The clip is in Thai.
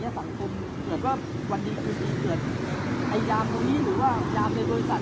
ตอนนี้กำหนังไปคุยของผู้สาวว่ามีคนละตบ